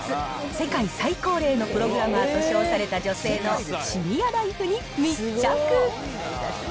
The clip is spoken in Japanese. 世界最高齢のプログラマーと称された女性のシニアライフに密着。